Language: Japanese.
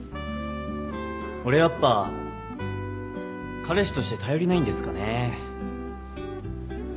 俺やっぱ彼氏として頼りないんですかね。